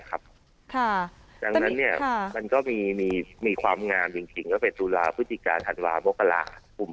ครับค่ะทั้งนั้นเนี่ยมันก็มีความงามจริงก็เป็นุราพุทธิกาธรรวมมกระหลากุม